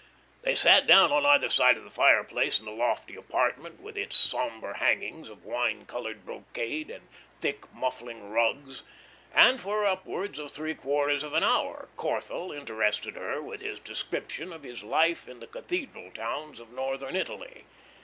They sat down on either side of the fireplace in the lofty apartment, with its sombre hangings of wine coloured brocade and thick, muffling rugs, and for upwards of three quarters of an hour Corthell interested her with his description of his life in the cathedral towns of northern Italy.